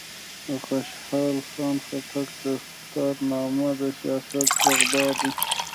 د خوشحال خان خټک دستارنامه د سیاست بغدادي ده.